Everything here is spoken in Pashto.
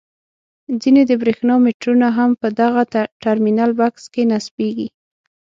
ځینې د برېښنا میټرونه هم په دغه ټرمینل بکس کې نصبیږي.